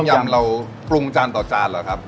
ยำเราปรุงจานต่อจานเหรอครับ